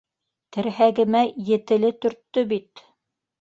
Терһәгемә Етеле төрттө бит!